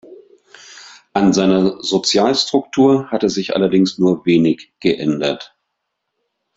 An seiner Sozialstruktur hatte sich allerdings nur wenig geändert.